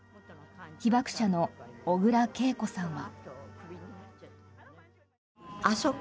被爆者の小倉桂子さんは。